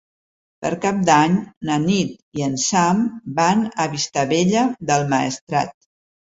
Per Cap d'Any na Nit i en Sam van a Vistabella del Maestrat.